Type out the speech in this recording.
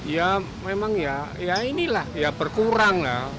ya memang ya ya inilah ya berkurang lah